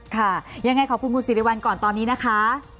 ค่ะยังไงขอบคุณคุณสิริวัลก่อนตอนนี้นะคะ